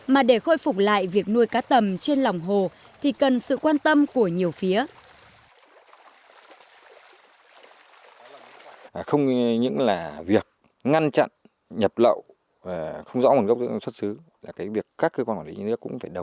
mà để khôi phục lại việc nuôi cá tầm trên lòng hồ thì cần sự quan tâm của nhiều phía